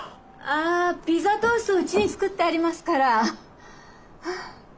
あピザトーストうちに作ってありますから。